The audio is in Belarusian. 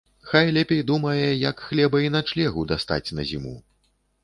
Хай лепей думае, як хлеба і начлегу дастаць на зіму.